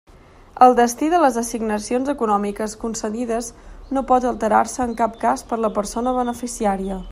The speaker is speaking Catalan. El destí de les assignacions econòmiques concedides no pot alterar-se en cap cas per la persona beneficiària.